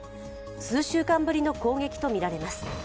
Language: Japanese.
数週間ぶりの攻撃とみられます。